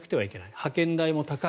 派遣代も高い。